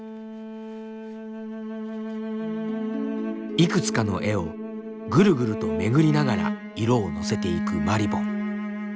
いくつかの絵をぐるぐると巡りながら色をのせていくまりぼん。